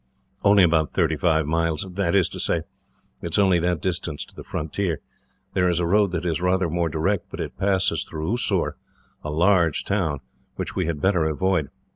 "Only about thirty five miles that is to say, it is only that distance to the frontier. There is a road that is rather more direct, but it passes through Oussoor, a large town, which we had better avoid.